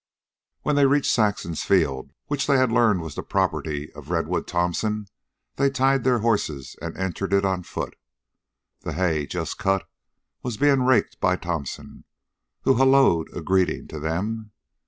When they reached Saxon's field, which they had learned was the property of Redwood Thompson, they tied the horses and entered it on foot. The hay, just cut, was being raked by Thompson, who hallo'd a greeting to them.